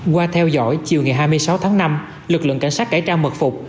qua theo dõi chiều hai mươi sáu tháng năm lực lượng cảnh sát cải trao mật phục